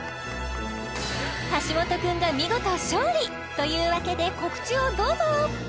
橋本君が見事勝利！というわけで告知をどうぞ！